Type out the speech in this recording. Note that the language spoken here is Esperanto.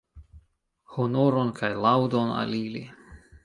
Honoron kaj laŭdon al ili!